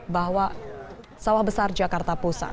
bahwa sawah besar jakarta pusat